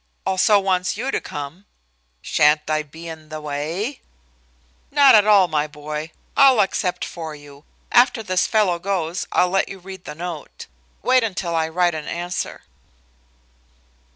"Also wants you to come." "Sha'n't I be in the way?" "Not at all, my boy. I'll accept for you. After this fellow goes, I'll let you read the note. Wait until I write an answer."